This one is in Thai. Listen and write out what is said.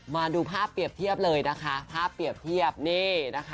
มาดูภาพเปรียบเทียบเลย